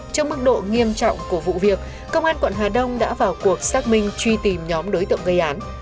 trong mức độ nghiêm trọng của vụ việc công an quận hà đông đã vào cuộc xác minh truy tìm nhóm đối tượng gây án